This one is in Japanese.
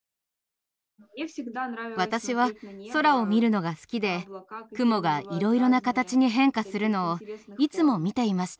私は空を見るのが好きで雲がいろいろな形に変化するのをいつも見ていました。